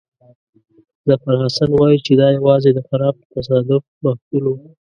ظفرحسن وایي چې دا یوازې د خراب تصادف محصول وو.